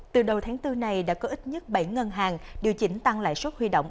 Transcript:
từ đầu tháng bốn này đã có ít nhất bảy ngân hàng điều chỉnh tăng lại suất huy động